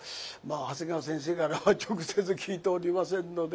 長谷川先生からは直接聞いておりませんので。